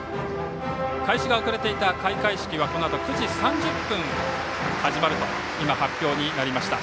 開始が遅れていた開会式はこのあと９時３０分に始まると今、発表になりました。